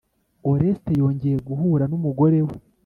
Oreste yongeye guhura n umugore we